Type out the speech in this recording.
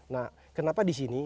nah kenapa di sini